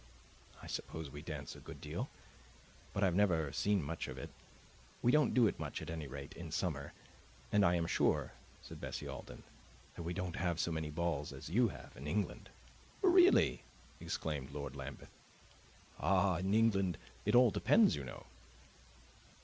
"I suppose we dance a good deal; but I have never seen much of it. We don't do it much, at any rate, in summer. And I am sure," said Bessie Alden, "that we don't have so many balls as you have in England." "Really!" exclaimed Lord Lambeth. "Ah, in England it all depends, you know."